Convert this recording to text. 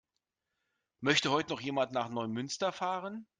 Möchte heute noch jemand nach Neumünster fahren?